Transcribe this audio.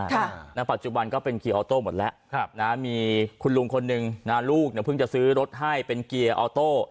ค่ะณปัจจุบันก็เป็นเกียร์ออโต้หมดแล้วครับนะมีคุณลุงคนหนึ่งนะลูกเนี่ยเพิ่งจะซื้อรถให้เป็นเกียร์ออโต้